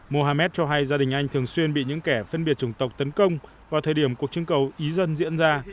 mohammed cho hay gia đình anh thường xuyên bị những kẻ phân biệt chủng tộc tấn công vào thời điểm cuộc chương cầu eid diễn ra